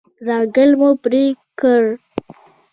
ځنګل مه پرې کړه.